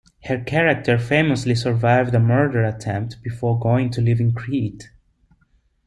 Her character famously survived a murder attempt before going to live in Crete.